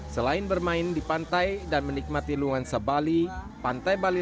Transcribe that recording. selain bermain di pantai dan menikmati luansa bali